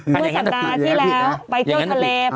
เมื่อสัปดาห์ที่แล้วไปเที่ยวทะเล